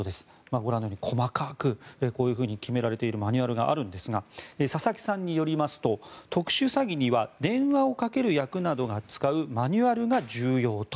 ご覧のように細かく決められているマニュアルがあるんですが佐々木さんによりますと特殊詐欺には電話をかける役などが使うマニュアルが重要と。